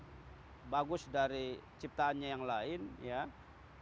dan kita merawat bumi ini karena manusia diberikan daya akal pikir yang lebih baik